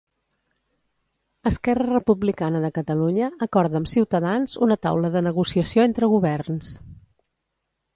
Esquerra Republicana de Catalunya acorda amb Cs una taula de negociació entre governs.